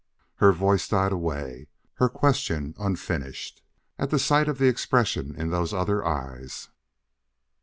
Her voice died away, her question unfinished, at sight of the expression in those other eyes.